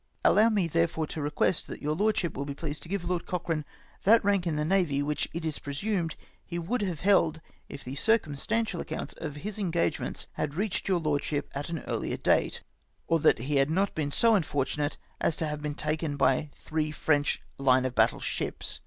" Allow me therefore to request that your Lordship will be pleased to give Lord Cochrane that rank in the navy which it is presumed he would have held if the circumstantial accounts of his engagements had reached your Lordship at an earlier date, or that he had not been so unfortunate as to have been taken by three French line of battle ships.